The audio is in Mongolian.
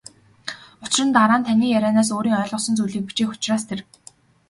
Учир нь дараа нь таны ярианаас өөрийн ойлгосон зүйлийг бичих учраас тэр.